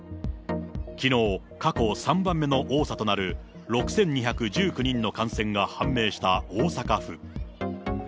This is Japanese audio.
きのう、過去３番目の多さとなる、６２１９人の感染が判明した大阪府。